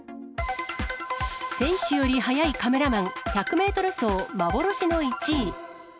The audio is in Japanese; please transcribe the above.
選手より速いカメラマン、１００メートル走幻の１位。